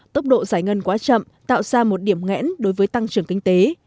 tốc độ giải ngân quá chậm tạo ra một điểm ngẽn đối với tăng trưởng kinh tế